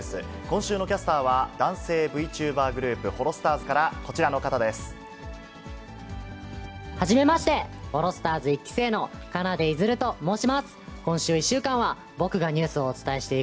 今週のキャスターは、男性Ｖチューバーグループ、ホロスターズかはじめまして。